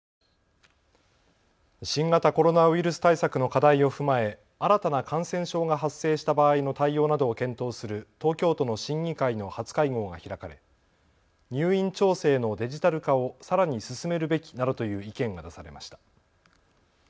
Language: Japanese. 新型コロナウイルス対策の課題を踏まえ新たな感染症が発生した場合の対応などを検討する東京都の審議会の初会合が開かれ入院調整のデジタル化をさらに進めるべきなどという意見が出されました。